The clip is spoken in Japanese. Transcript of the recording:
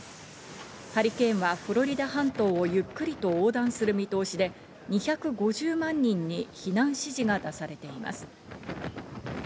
ハリケーンはフロリダ半島をゆっくりと横断する見通しで、２５０万人に避難指示が出されています。